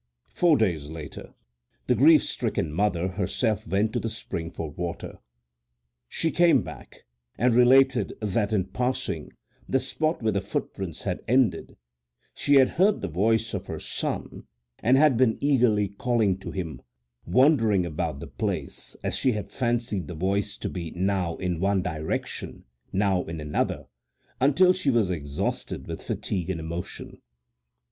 Four days later the grief stricken mother herself went to the spring for water. She came back and related that in passing the spot where the footprints had ended she had heard the voice of her son and had been eagerly calling to him, wandering about the place, as she had fancied the voice to be now in one direction, now in another, until she was exhausted with fatigue and emotion.